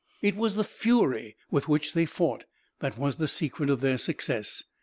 It was the fury with which they fought that was the secret of their success.